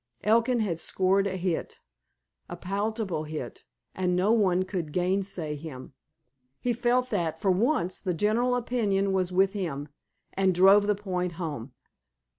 Elkin had scored a hit, a palpable hit, and no one could gainsay him. He felt that, for once, the general opinion was with him, and drove the point home.